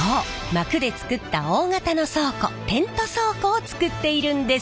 膜で作った大型の倉庫テント倉庫を作っているんです。